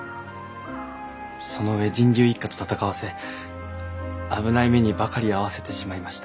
そのうえ神龍一家と戦わせ危ない目にばかり遭わせてしまいました。